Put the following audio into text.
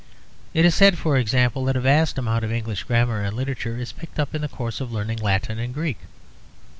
It is said, for example, that a vast amount of English grammar and literature is picked up in the course of learning Latin and Greek.